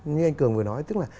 như anh cường vừa nói tức là